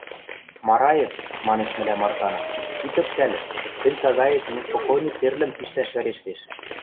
— Мараев, — манеш мӹлӓм Арканов, — ит ӧпкӓлӹ, тӹнь сагаэт неспокойный церлӹм пиштӓш вӓрештеш.